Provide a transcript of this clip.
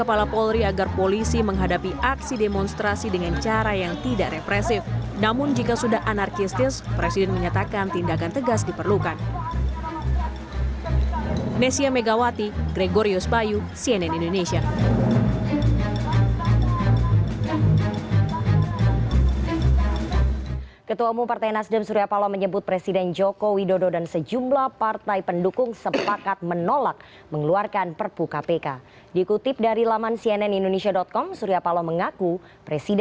pertimbangan ini setelah melihat besarnya gelombang demonstrasi dan penolakan revisi undang undang kpk